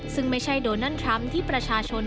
ซึ่งไม่ใช่โดนัลด์ทรัมป์ที่ประชาชน